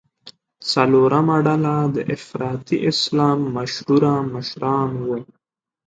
څلورمه ډله د افراطي اسلام مشهور مشران وو.